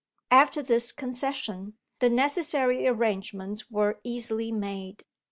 After this concession, the necessary arrangements were easily made.